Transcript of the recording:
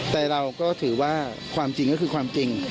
แต่เราก็ถือว่าความจริงก็คือความจริง